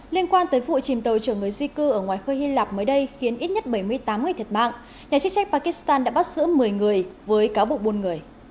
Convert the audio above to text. liên quan tới vụ chìm tàu chở người di cư ở ngoài khơi hy lạp mới đây khiến ít nhất bảy mươi tám người thiệt mạng nhà chức trách pakistan đã bắt giữ một mươi người với cáo buộc buôn người